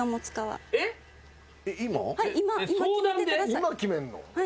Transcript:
今決めんの？